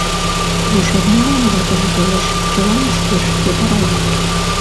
Рушарнялан ватыже толеш, чыла мушкеш, йытырая.